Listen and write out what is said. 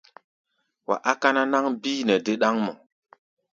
Wa á káná náŋ bíí nɛ dé ɗáŋmɔ.